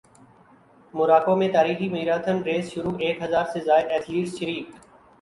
موراکو میں تاریخی marathon race شروع ایک ہزار سے زائد ایتھلیٹس شریک